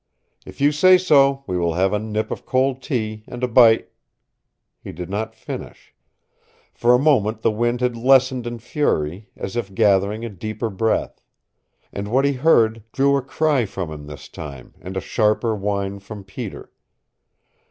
If you say so we will have a nip of cold tea and a bite " He did not finish. For a moment the wind had lessened in fury, as if gathering a deeper breath. And what he heard drew a cry from him this time, and a sharper whine from Peter.